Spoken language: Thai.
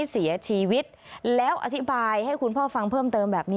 พาพนักงานสอบสวนสนราชบุรณะพาพนักงานสอบสวนสนราชบุรณะ